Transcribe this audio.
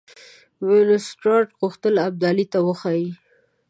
وینسیټارټ غوښتل ابدالي ته وښيي.